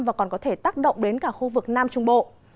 và còn có thể tác động đến cả khu vực nam trung bộ